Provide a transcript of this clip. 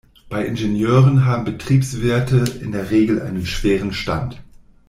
Bei Ingenieuren haben Betriebswirte in der Regel einen schweren Stand.